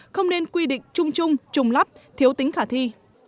không nên quy định chung chung lắp thiếu tính khả thi